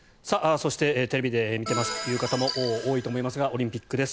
そしてテレビで見ていますという方も多いと思いますがオリンピックです。